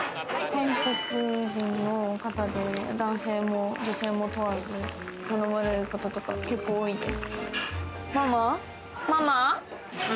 韓国人の方で、男性も女性も問わず、頼まれることとか結構多いです。